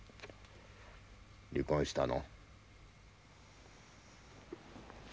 離婚したの？